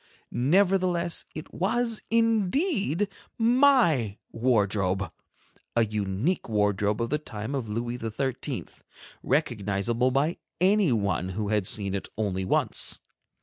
Nevertheless it was indeed my wardrobe; a unique wardrobe of the time of Louis XIII., recognizable by anyone who had seen it only once.